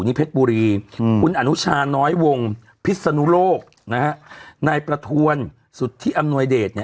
นี่เพชรบุรีคุณอนุชาณน้อยวงภิษฎนุโลกนายประทวนสุทธิอำนวยเดช